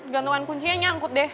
gantungan kuncinya nyangkut deh